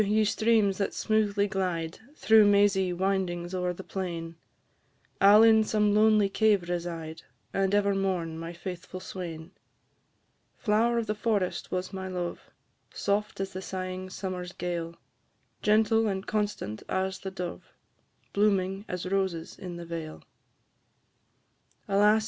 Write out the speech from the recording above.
ye streams that smoothly glide, Through mazy windings o'er the plain; I 'll in some lonely cave reside, And ever mourn my faithful swain. Flower of the forest was my love, Soft as the sighing summer's gale, Gentle and constant as the dove, Blooming as roses in the vale. Alas!